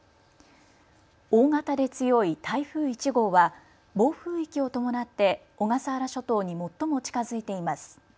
大型で強い台風１号は暴風域を伴って小笠原諸島に最も近づいています。